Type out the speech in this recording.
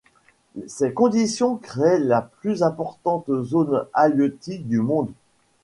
Ces conditions créent la plus importante zone halieutique du monde.